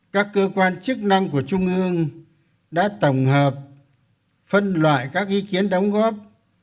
các cơ quan chức năng của trung ương đã tổng hợp phân loại các ý kiến đóng góp